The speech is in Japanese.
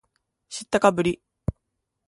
知ったかぶり